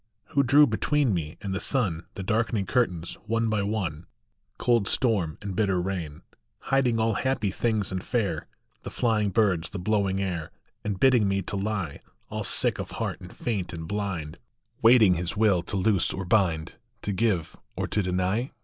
Who drew between me and the sun The darkening curtains, one by one, Cold storm and bitter rain, Hiding all happy things and fair, The flying birds, the blowing air, And bidding me to lie, All sick of heart and faint and blind, Waiting his will to loose or bind, To give or to deny?